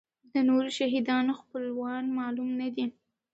د نورو شهیدانو خپلوان معلوم نه دي.